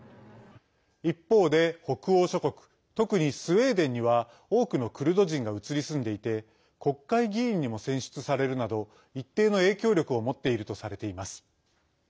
一方で、北欧諸国特にスウェーデンには多くのクルド人が移り住んでいて国会議員にも選出されるなど一定の影響力を持っているとされています。